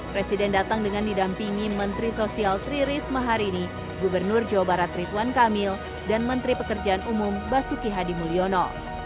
presiden datang dengan didampingi menteri sosial tri risma hari ini gubernur jawa barat rituan kamil dan menteri pekerjaan umum basuki hadi mulyono